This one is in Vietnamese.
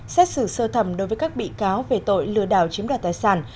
xét xử sơ thẩm đối với các bị cáo về tội lừa đảo chiếm đoạt tài sản